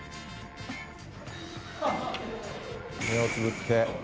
目をつぶって。